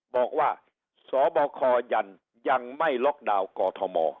บอกว่าสบคยันยังไม่ล็อกดาวน์กอทม